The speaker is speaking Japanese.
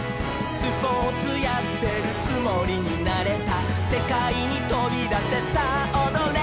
「スポーツやってるつもりになれた」「せかいにとびだせさあおどれ」